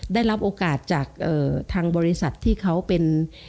ได้รับโอกาสจากทางบริษัทที่เขาเป็น